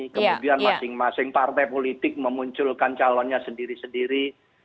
kemudian masing masing partai politik memunculkan calonnya sendiri sendiri